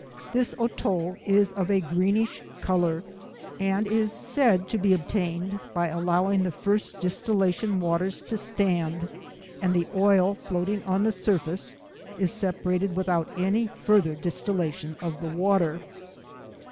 This Otto is of a greenish colour, and is said to be obtained by allowing the first distillation waters to stand, and the oil floating on the surface is separated without any further distillation of the water.